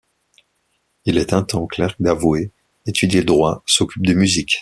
Il est un temps clerc d’avoué, étudie le droit, s’occupe de musique.